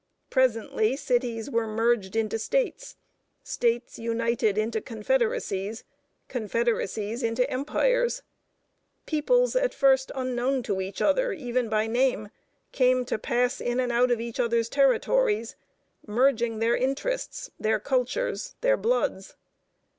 Presently cities were merged into states, states united into confederacies, confederacies into empires. Peoples at first unknown to each other even by name came to pass in and out of each other's territories, merging their interests, their cultures, their bloods.